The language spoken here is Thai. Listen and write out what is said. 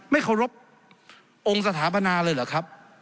ไม่เคารพองค์สถาปนาเลยเหรอครับ